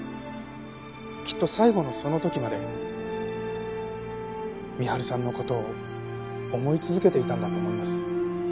きっと最期のその時まで深春さんの事を思い続けていたんだと思います。